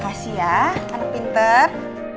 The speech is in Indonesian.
kasih ya anak pinter